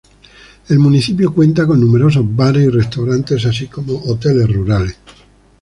El Municipio cuenta con numerosos bares y restaurantes, así como Hoteles rurales.